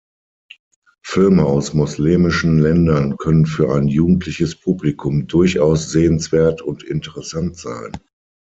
Filme aus moslemischen Ländern können für ein jugendliches Publikum durchaus sehenswert und interessant sein.